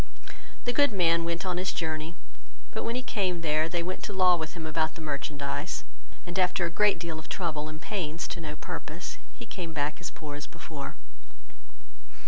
The good man went on his journey; but when he came there, they went to law with him about the merchandize, and after a great deal of trouble and pains to no purpose, he came back as poor as before.